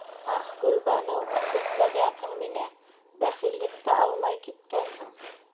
Ах, Гөлбаныу... көтмәгәнһең мине, бәхиллек тә алмай киткәнһең...